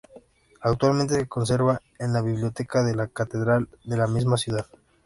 Actualmente se conserva en la biblioteca de la catedral de la misma ciudad.